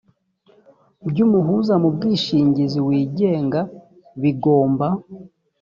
by umuhuza mu bwishingzi wigenga bigomba